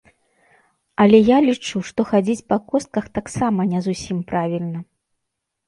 Але я лічу, што хадзіць па костках таксама не зусім правільна.